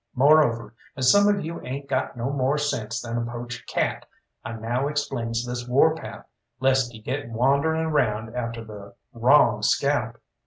Moreover, as some of you ain't got no more sense than a poached cat, I now explains this warpath, lest you get wandering around after the wrong scalp.